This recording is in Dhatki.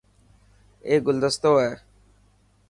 اي گلدستو هي.